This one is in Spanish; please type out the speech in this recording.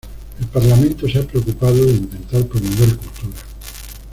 El Parlamento se ha preocupado de intentar promover cultura.